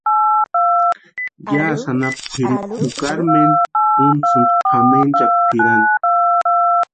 Yásï anapu kwʼiripu jukari mentku untasïni pʼamenchakwa pʼirani.